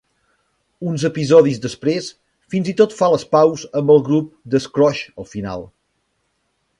Uns episodis després, fins i tot fa les paus amb el grup de Scrooge al final.